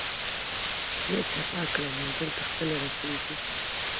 نیت صفاء کړه منزل ته خپله رسېږې.